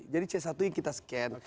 jadi c satu yang kita scan